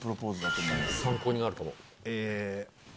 参考になるかも。